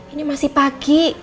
ini masih pagi